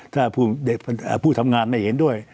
ถ้าเด็กผู้ทำงานไม่เห็นด้วย